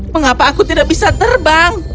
mengapa aku tidak bisa terbang